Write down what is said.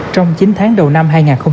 trong chín tháng đầu năm hai nghìn hai mươi